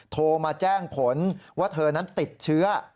โทรมาแจ้งผลว่าเธอนั้นติดเชื้อ